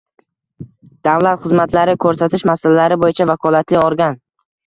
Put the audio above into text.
davlat xizmatlari ko’rsatish masalalari bo’yicha vakolatli organ.